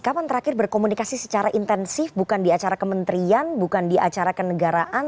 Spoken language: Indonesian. kapan terakhir berkomunikasi secara intensif bukan di acara kementerian bukan di acara kenegaraan